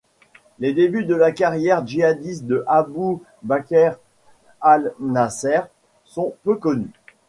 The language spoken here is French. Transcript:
Les débuts de la carrière djihadiste de Abou Bakr Al-Nasr sont peu connus.